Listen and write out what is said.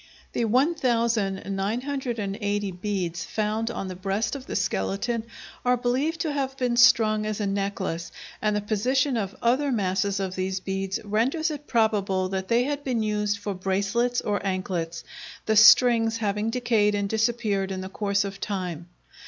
The 1980 beads found on the breast of the skeleton are believed to have been strung as a necklace, and the position of other masses of these beads renders it probable that they had been used for bracelets or anklets, the strings having decayed and disappeared in the course of time.